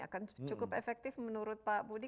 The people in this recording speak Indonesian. akan cukup efektif menurut pak budi